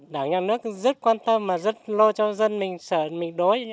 đảng nhà nước rất quan tâm và rất lo cho dân mình sợ mình đói